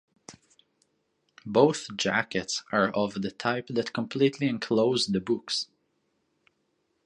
Both jackets are of the type that completely enclosed the books.